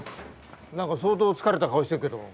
何か相当疲れた顔してるけど。